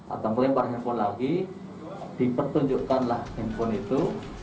atau melempar handphone lagi dipertunjukkanlah handphone itu